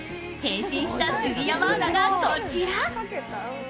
変身した杉山アナがこちら。